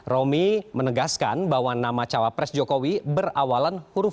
romi menegaskan bahwa nama cawapres jokowi berawalan huruf